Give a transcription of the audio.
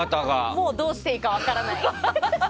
もうどうしていいか分からない。